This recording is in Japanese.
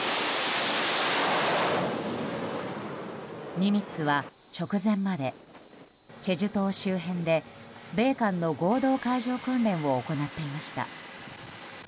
「ニミッツ」は直前までチェジュ島周辺で米韓の合同海上訓練を行っていました。